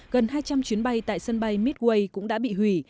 gần hai trăm linh chuyến bay tại sân bay mitway cũng đã bị hủy